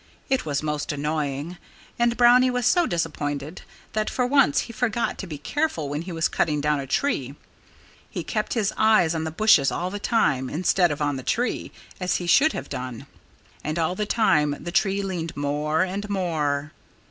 It was most annoying. And Brownie was so disappointed that for once he forgot to be careful when he was cutting down a tree. He kept his eyes on the bushes all the time, instead of on the tree as he should have done. And all the time the tree leaned more and more.